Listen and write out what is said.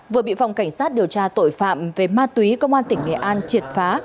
vừa bị phòng cảnh sát điều tra tội phạm về ma túy công an tỉnh nghệ an triệt phá